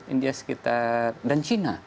india sekitar dan china